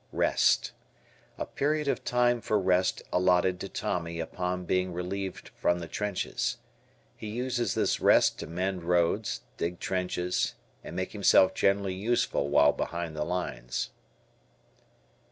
Rest. A period of time for rest allotted to Tommy upon being relieved from the trenches. He uses this "rest" to mend roads, dig trenches, and make himself generally useful while behind the lines.